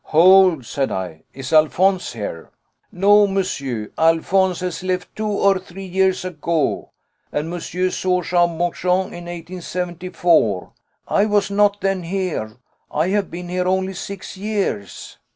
"Hold," said I; "is Alphonse here?" "No, monsieur, Alphonse has left two or three years ago. And monsieur saw Jean Bouchon in 1874. I was not then here. I have been here only six years."